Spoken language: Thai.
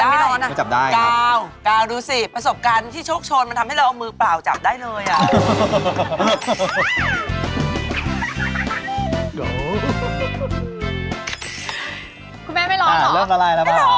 แล้วหม้อมันเปรี้ยวไปเปรี้ยวมาทำไงคุณคะคุณคะจับค่ะคุณคะ